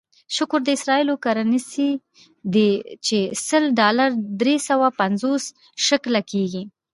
شکل د اسرائیلو کرنسي ده چې سل ډالره درې سوه پنځوس شکله کېږي.